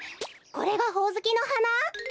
これがほおずきのはな？